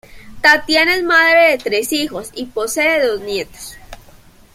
Tatiana es madre de tres hijos y posee dos nietos.